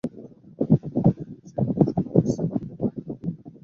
তোমাদের প্রতি কোনো অন্যায় হচ্ছে এ কথা শুনে আমি স্থির থাকতে পারি কই?